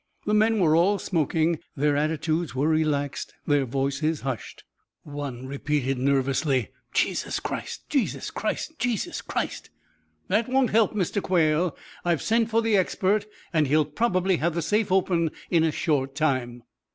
The men were all smoking; their attitudes were relaxed, their voices hushed. One repeated nervously: "Jesus Christ, Jesus Christ, Jesus Christ." "That won't help, Mr. Quail. I've sent for the expert and he will probably have the safe open in a short time."